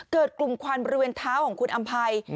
กลุ่มควันบริเวณเท้าของคุณอำภัย